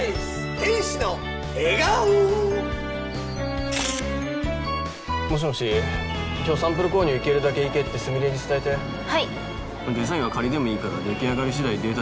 天使の笑顔もしもし今日サンプル購入行けるだけ行けってスミレに伝えてはいデザインは仮でもいいから出来上がりしだいデータ